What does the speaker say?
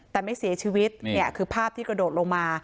แต่ไม่เสียชีวิตเนี่ยคือภาพที่กระโดดลงมา